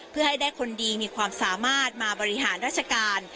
เพื่อให้ได้คนดีมีความสามารถมาบริหารราชการ